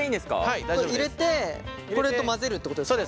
入れてこれと混ぜるってことですか？